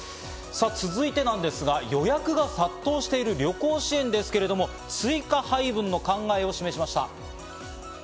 続いては予約が殺到している旅行支援ですけど、追加配分の考えを示しました。